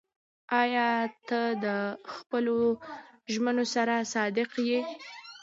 ایا ته د خپلو ژمنو سره صادق یې؟